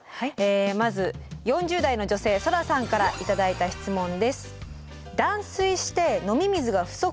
まず４０代の女性そらさんから頂いた質問です。